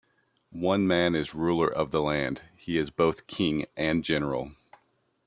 One man is the ruler of the land: he is both king and general.